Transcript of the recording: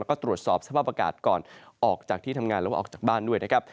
แล้วก็ตรวจสอบสภาพอากาศก่อนออกจากที่ทำงานหรือว่าออกจากบ้านด้วยนะครับ